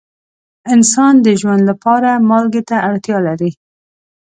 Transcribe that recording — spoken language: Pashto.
انسان د ژوند لپاره مالګې ته اړتیا لري.